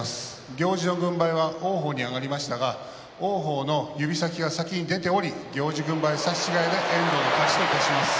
行司軍配は王鵬に上がりましたが王鵬の指先が先に出ており行司軍配差し違えで遠藤の勝ちといたします。